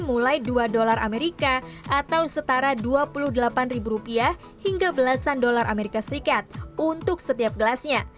mulai dua dolar amerika atau setara dua puluh delapan ribu rupiah hingga belasan dolar amerika serikat untuk setiap gelasnya